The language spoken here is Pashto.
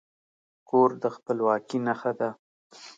کور د خپلواکي نښه ده.